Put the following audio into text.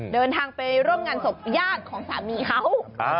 เดินทางไปร่วมงานศพญาติของสามีเขา